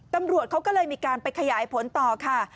ตำรวจเขาก็เลยมีการไปขยายผลต่อค่ะ